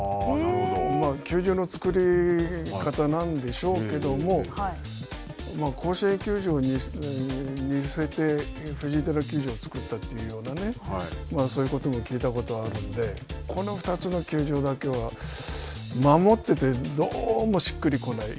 球場の造り方なんでしょうけども、甲子園球場に似せて藤井寺球場を造ったというようなね、そういうことも聞いてことがあるんで、この２つの球場だけは、守っていて、どうもしっくりこない。